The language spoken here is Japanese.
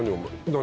何？